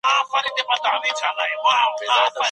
ستړي لوستونکي د ماښام پر مهال له کتابتون څخه ولاړل.